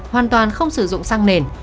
hoàn toàn không sử dụng xăng nền